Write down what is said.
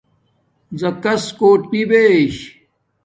زَکس کوٹ نبش